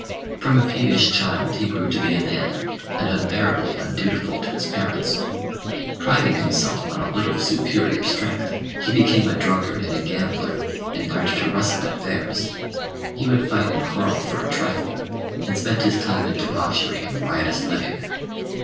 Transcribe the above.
From a peevish child he grew to be a man, and unbearably undutiful to his parents. Priding himself on a little superior strength, he became a drunkard and a gambler, and learned to wrestle at fairs. He would fight and quarrel for a trifle, and spent his time in debauchery and riotous living.